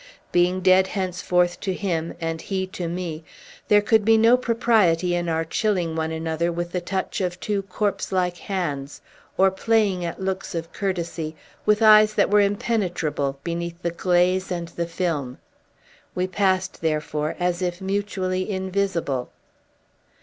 Being dead henceforth to him, and he to me, there could be no propriety in our chilling one another with the touch of two corpse like hands, or playing at looks of courtesy with eyes that were impenetrable beneath the glaze and the film. We passed, therefore, as if mutually invisible.